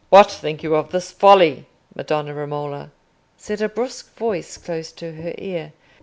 "What think you of this folly, Madonna Romola?" said a brusque voice close to her ear.